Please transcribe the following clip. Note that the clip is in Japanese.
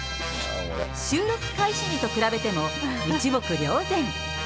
収録開始時と比べても、一目瞭然。